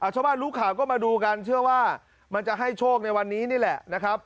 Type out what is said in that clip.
ชาวบ้านรู้ข่าวก็มาดูกันเชื่อว่ามันจะให้โชคในวันนี้นี่แหละนะครับ